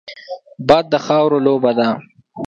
باد د خاورو لوبه ده